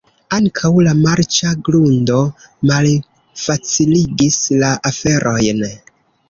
Ankaŭ la marĉa grundo malfaciligis la aferojn.